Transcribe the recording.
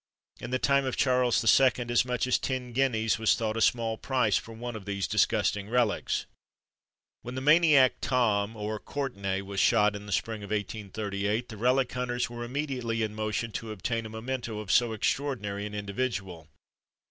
In the time of Charles II., as much as ten guineas was thought a small price for one of these disgusting relics. When the maniac, Thom, or Courtenay, was shot, in the spring of 1838, the relic hunters were immediately in motion to obtain a memento of so extraordinary an individual.